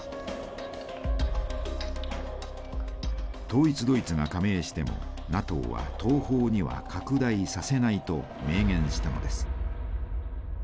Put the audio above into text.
統一ドイツが加盟してもＮＡＴＯは東方には拡大させないと明言したのです。